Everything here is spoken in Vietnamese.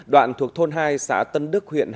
đoạn thuộc thôn hai xã tân đức huyện hàm